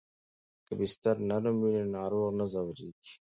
که بستر نرم وي نو ناروغ نه ځورېږي.